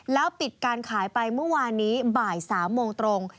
แล้วปิดการขายไปเมื่อวานนี้บ่าย๓โมงตรง